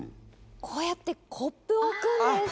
こうやってコップを置くんです。